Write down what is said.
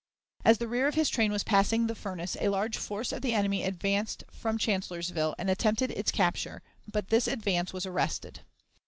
As the rear of his train was passing the furnace a large force of the enemy advanced from Chancellorsville and attempted its capture, but this advance was arrested.